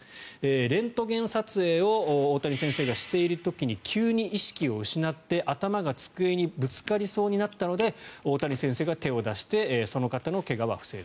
レントゲン撮影を大谷先生がしている時に急に意識を失って、頭が机にぶつかりそうになったので大谷先生が手を出してその方の怪我は防いだ。